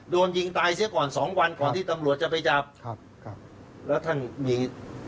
โดนยิงตายเสียก่อนสองวันก่อนที่ตำรวจจะไปจับครับครับแล้วท่านมี